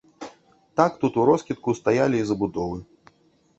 Так тут уроскідку стаялі і забудовы.